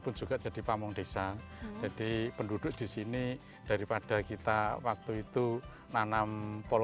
dan juga jadi pamung desa jadi penduduk di sini daripada kita waktu itu nanam polo